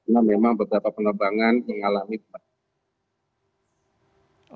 sama beberapa penerbangan yang mengalami kebakaran